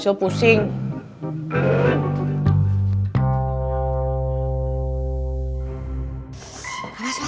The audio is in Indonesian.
selalu ngurus lu